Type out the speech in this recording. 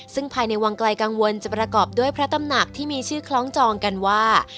ซึ่งภายในวังไกลกังวลจะประกอบด้วยพระตำหนักที่มีชื่อคล้องจองกันว่า